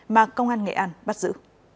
mà công an nghệ an bắt giữ